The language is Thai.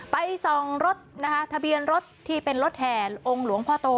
ส่องรถนะคะทะเบียนรถที่เป็นรถแห่องค์หลวงพ่อโต